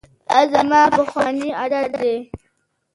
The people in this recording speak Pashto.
دا زما پخوانی عادت دی.